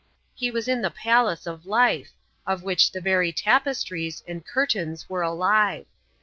He was in the Palace of Life, of which the very tapestries and curtains were alive.